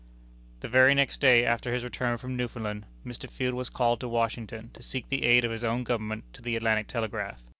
The very next day after his return from Newfoundland, Mr. Field was called to Washington, to seek the aid of his own Government to the Atlantic Telegraph.